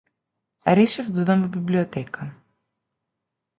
Решив да одам во библиотека.